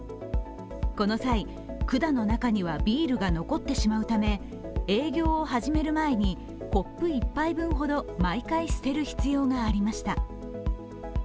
この際、管の中にはビールが残ってしまうため営業を始める前にコップ１杯分ほど毎回、捨てる必要がありました。